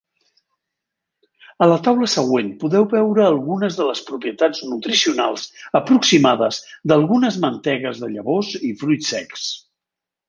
A la taula següent podeu veure algunes de les propietats nutricionals aproximades d'algunes mantegues de llavors i fruits secs.